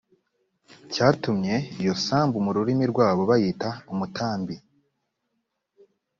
cyatumye iyo sambu mu rurimi rwabo bayita umutambi